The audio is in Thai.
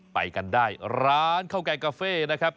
ไปกันได้ร้านข้าวแกงกาเฟ่นะครับ